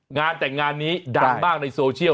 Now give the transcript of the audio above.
งานแต่งงานนี้ดังมากในโซเชียล